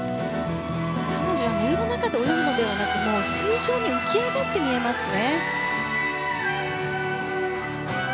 彼女は水の中で泳いでいるのではなく水上に浮き上がって見えますね。